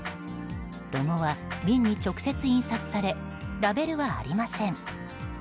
ロゴは瓶に直接印刷されラベルはありません。